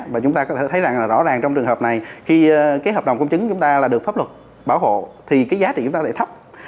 và chúng ta có thể thấy rằng là rõ ràng trong trường hợp này khi cái hợp đồng công chứng chúng ta là được pháp luật bảo hộ thì cái giá trị chúng ta lại thấp